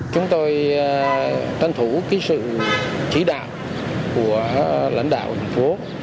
chúng tôi tranh thủ cái sự chỉ đạo của lãnh đạo thành phố